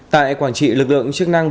tại quảng trị lực lượng chức năng